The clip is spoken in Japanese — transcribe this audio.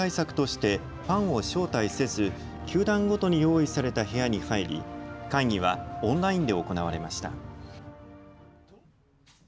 去年に続いて感染防止対策としてファンを招待せず球団ごとに用意された部屋に入り会議はオンラインで行われました。